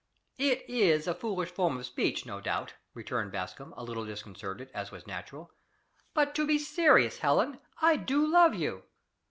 "It IS a foolish form of speech, no doubt," returned Bascombe, a little disconcerted, as was natural. " But to be serious, Helen, I do love you."